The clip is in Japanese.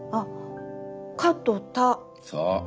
そう。